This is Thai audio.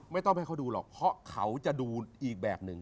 ไม่ต้องให้เขาดูหรอกเพราะเขาจะดูอีกแบบหนึ่ง